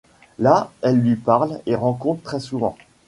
Là elle lui parle et rencontre très souvent.